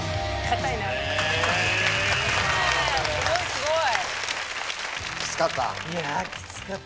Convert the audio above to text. すごいすごい！